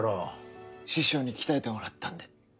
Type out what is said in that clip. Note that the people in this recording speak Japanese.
師匠に鍛えてもらったんで。